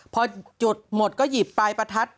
พอจุดหมดก็หยิบปลายประทัด